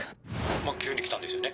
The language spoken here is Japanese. まぁ急に来たんですよね